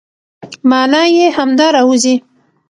مانا يې همدا راوځي،